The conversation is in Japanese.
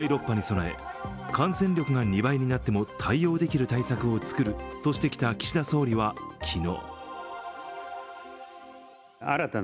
じわりと増加に転じる中、第６波に備え感染力が２倍になっても対応できる対策を作るとしてきた岸田総理は昨日。